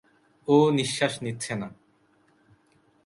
ও নিশ্বাস নিচ্ছে না।